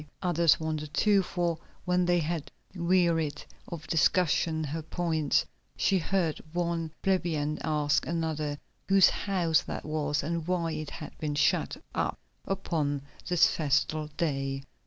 Others wondered too, for when they had wearied of discussing her points, she heard one plebeian ask another whose house that was and why it had been shut up upon this festal day.